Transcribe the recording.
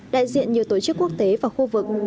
đại diện nhiều tổ chức quốc tế và khu vực